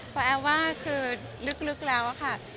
เพราะแอฟว่าคือลึกแล้วอะค่ะ